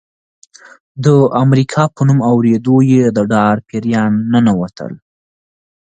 د امریکا په نوم اورېدو یې د ډار پیریان ننوتل.